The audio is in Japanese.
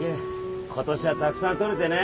今年はたくさん取れてね。